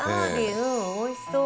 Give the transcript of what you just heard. うんおいしそう。